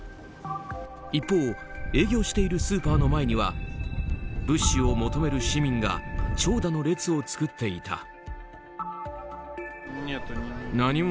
一方、営業しているスーパーの前には物資を求める市民が長蛇の列を作っていた。